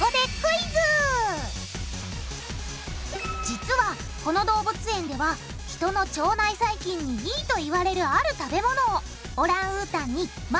実はこの動物園では人の腸内細菌にいいといわれるある食べ物をオランウータンに毎日あげています。